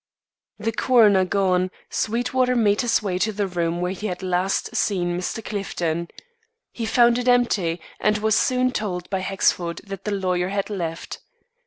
The coroner gone, Sweetwater made his way to the room where he had last seen Mr. Clifton. He found it empty and was soon told by Hexford that the lawyer had left.